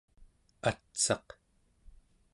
atsaq